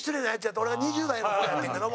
俺が２０代の頃やってんけども。